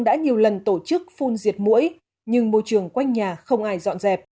hà nội đã nhiều lần tổ chức phun diệt mũi nhưng môi trường quanh nhà không ai dọn dẹp